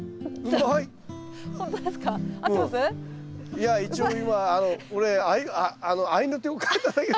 いや一応今俺合いの手をかけただけです。